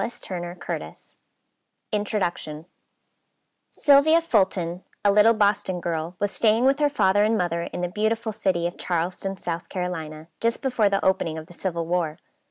CALEY PHILADELPHIA 1920 INTRODUCTION Sylvia Fulton, a little Boston girl, was staying with her father and mother in the beautiful city of Charleston, South Carolina, just before the opening of the Civil War.